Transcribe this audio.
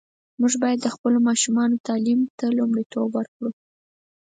موږ باید د خپلو ماشومانو تعلیم ته لومړیتوب ورکړو.